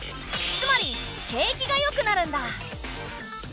つまり景気がよくなるんだ。